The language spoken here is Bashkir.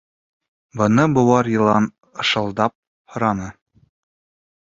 — Быны быуар йылан ышылдап һораны.